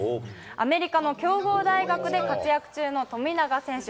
アメリカの強豪大学で活躍中の富永選手。